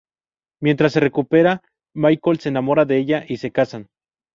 Mientras se recupera, Michael se enamora de ella y se casan.